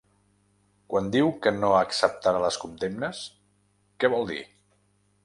Quan diu que no acceptarà les condemnes, què vol dir?